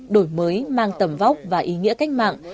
đổi mới mang tầm vóc và ý nghĩa cách mạng